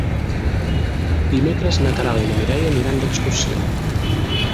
Dimecres na Queralt i na Mireia aniran d'excursió.